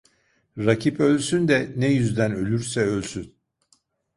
Rakip ölsün de ne yüzden ölürse ölsün.